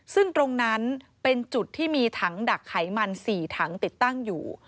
ซึ่งตรงนั้นเป็นจุดที่มีถังดักไขมัน๔ถังติดตั้งอยู่